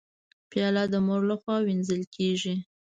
پیاله د مور لخوا مینځل کېږي.